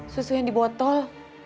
susu yang di botol